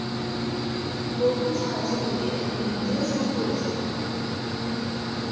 বহু ছায়াছবিতে তিনি নিজেও সুর করেছিলেন।